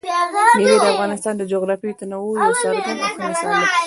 مېوې د افغانستان د جغرافیوي تنوع یو څرګند او ښه مثال دی.